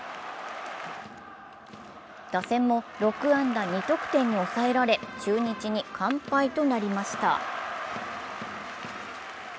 打線も、６安打２得点に抑えられ、中日に完敗となりました。